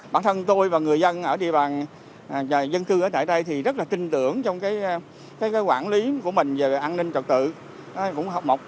bản thân tôi và người dân ở địa bàn dân cư ở tại đây thì rất là tin tưởng trong quản lý của mình về an ninh trật tự